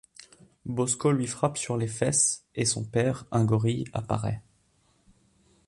Bosko lui frappe sur les fesses et son père, un gorille, apparaît.